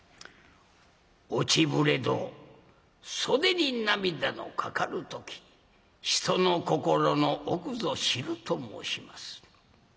「落ちぶれど袖に涙のかかる時人の心の奥ぞ知る」と申します。